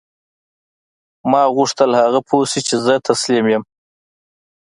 ما غوښتل هغه پوه شي چې زه تسلیم یم